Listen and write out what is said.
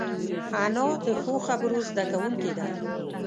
انا د ښو خبرو زده کوونکې ده